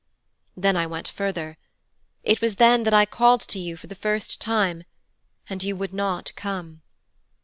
Then I went further: it was then that I called to you for the first time, and you would not come.